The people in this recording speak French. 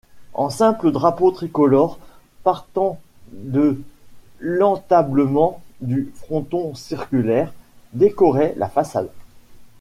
Un simple drapeau tricolore partant de l'entablement du fronton circulaire, décorait la façade.